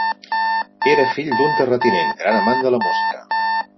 Era fill d'un terratinent, gran amant de la música.